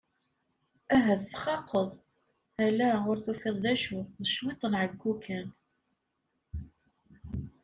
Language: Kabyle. Ahat txaqeḍ? Ala ur tufiḍ d acu, d cwiṭ n ɛeyyu kan.